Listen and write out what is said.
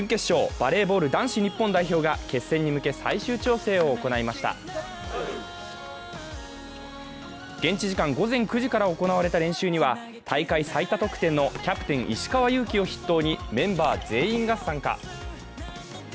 バレーボール男子日本代表が決戦に向け、最終調整を行いました現地時間午前９時から行われた練習には、大会最多得点のキャプテン・石川祐希を筆頭にメンバー全員が参加。